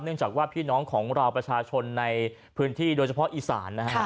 จากว่าพี่น้องของเราประชาชนในพื้นที่โดยเฉพาะอีสานนะฮะ